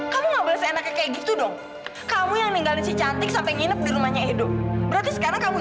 kamu pikir cantik itu suatu barang kan